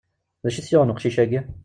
D acu i t-yuɣen uqcic-agi?